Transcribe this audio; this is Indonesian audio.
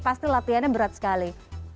pasti latihannya berat sekali